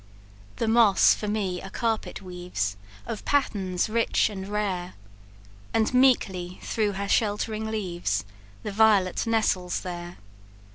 "The moss for me a carpet weaves Of patterns rich and rare; And meekly through her sheltering leaves The violet nestles there.